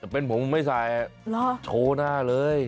เป็นผมไม่ใส่โชว์หน้าเลย